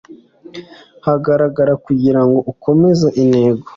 hagarara kugirango ukomeze intego.